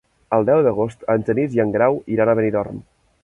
El deu d'agost en Genís i en Grau iran a Benidorm.